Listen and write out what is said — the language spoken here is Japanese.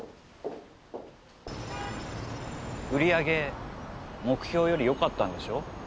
売り上げ目標よりよかったんでしょ？